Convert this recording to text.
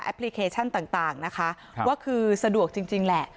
พลิเคชันต่างนะคะว่าคือสะดวกจริงแหละ